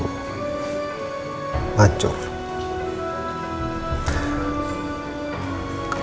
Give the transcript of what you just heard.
saya benar benar saat itu mancur